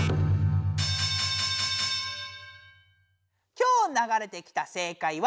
きょうながれてきた正解は。